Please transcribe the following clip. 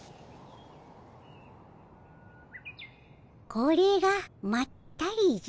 これがまったりじゃ。